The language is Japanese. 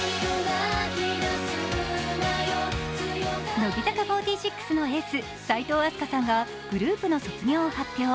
乃木坂４６のエース・齋藤飛鳥さんがグループの卒業を発表。